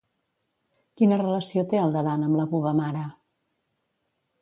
Quina relació té el Dadan amb la Bubamara?